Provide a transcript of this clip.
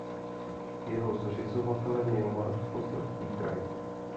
Jeho zřizovatelem je Moravskoslezský kraj.